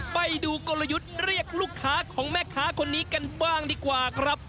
ไปดูกลยุทธ์เรียกลูกค้าของแม่ค้าคนนี้กันบ้างดีกว่าครับ